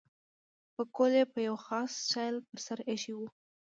پکول یې په یو خاص سټایل پر سر اېښی وو.